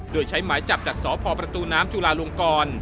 โดยใช้หมายจับจากสพประตูน้ำจุลาลงกร